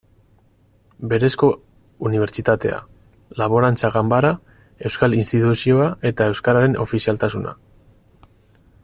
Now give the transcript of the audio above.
Berezko unibertsitatea, Laborantza Ganbara, Euskal Instituzioa eta euskararen ofizialtasuna.